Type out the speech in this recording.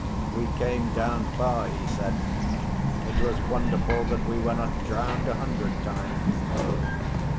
"We came down far," he said. "It was wonderful that we were not drowned a hundred times."